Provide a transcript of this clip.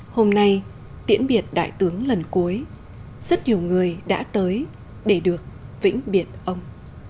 hôm nay tiễn biệt đại tướng lần cuối rất nhiều người đã tới để được vĩnh biệt ông